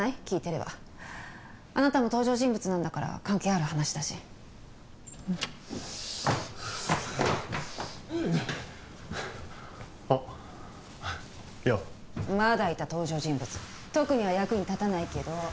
聞いてればあなたも登場人物なんだから関係ある話だしあっようまだいた登場人物特には役に立たないけど